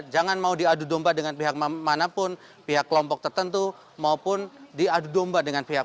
jangan mau diadu domba dengan pihak manapun pihak kelompok tertentu maupun diadu domba dengan pihak